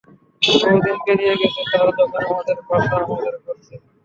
বহুদিন পেরিয়ে গেছে তার যখন আমাদের বাসা আমাদের ঘর ছিল।